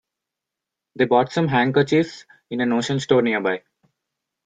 They bought some handkerchiefs in a notion store near by.